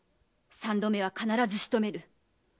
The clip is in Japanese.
三度目は必ずしとめる。